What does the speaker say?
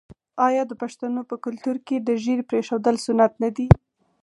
آیا د پښتنو په کلتور کې د ږیرې پریښودل سنت نه دي؟